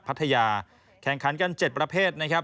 พัทยาแข่งขันกัน๗ประเภทนะครับ